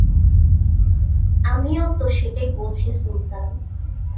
আমিও তো সেটাই বলছি, সুলতান।